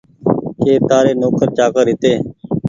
ڪي تآري نوڪر چآڪر هيتي